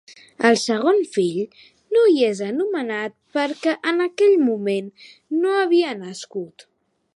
El segon fill no hi és anomenat perquè en aquell moment no havia nascut.